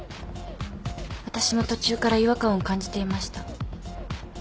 私も途中から違和感を感じていました。